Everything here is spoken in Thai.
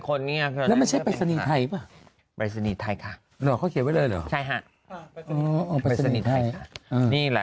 คนเนี่ยแล้วมันใช่ไปสนิทไทยป่ะไปสนิทไทยค่ะหรอเขาเขียนไว้เลยหรอใช่ค่ะนี่แหละ